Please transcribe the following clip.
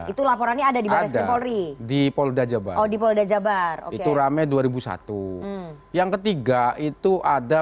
itu laporannya ada di baris krim polri di polda jabar oh di polda jabar itu rame dua ribu satu yang ketiga itu ada